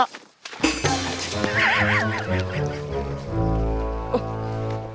terus emangnya bisa